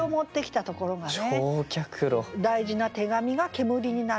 大事な手紙が煙になる。